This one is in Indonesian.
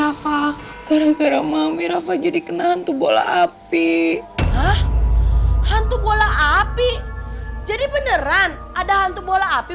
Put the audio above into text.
rafa gara gara mami rafa jadi kena hantu bola api hantu bola api jadi beneran ada hantu bola api